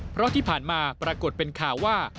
เพราะที่ผ่านมาปรากฏเป็นข่าวว่า